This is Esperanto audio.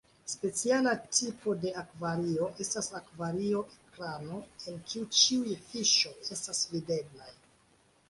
Speciala tipo de akvario estas akvario-ekrano en kiu ĉiuj fiŝoj estas videblaj.